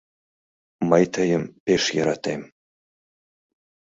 Мый тыйым пеш йӧратем.